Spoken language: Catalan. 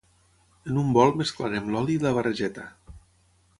En un bol mesclarem l'oli i la barregeta.